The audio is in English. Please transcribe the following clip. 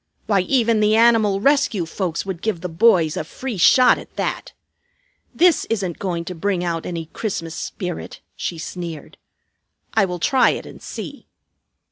Why, even the Animal Rescue folks would give the boys a 'free shot' at that. This isn't going to bring out any Christmas spirit," she sneered. "I will try it and see."